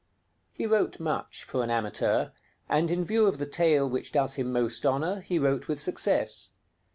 He wrote much, for an amateur, and in view of the tale which does him most honor, he wrote with success.